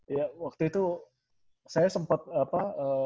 ya waktu itu saya sempat apa